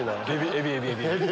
エビエビエビ！